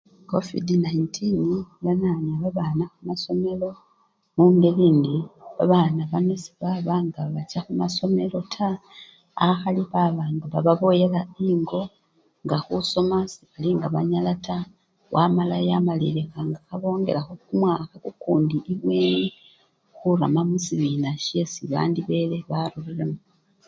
Covid-19 yanyanya babana khumasomelo mungeli indi babana bano sebaba nga bacha khumasomelo taa akhali baba nga bababoyela engo nga khusoma sekhuli nga banyala taa wamala yamalilikha nga khabongelakho kumwakha kukundi ebweni khurama musibina syesi bandi bele baruriremo.